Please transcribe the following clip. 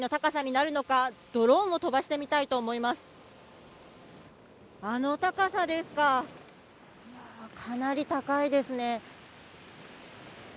あの高さですかかなり高いですね。